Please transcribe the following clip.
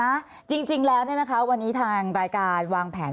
รัฐบาลนี้ใช้วิธีปล่อยให้จนมา๔ปีปีที่๕ค่อยมาแจกเงิน